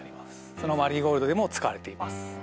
その「マリーゴールド」でも使われています